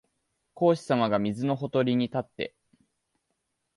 孔子さまが水のほとりに立って、